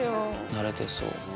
なれてそう。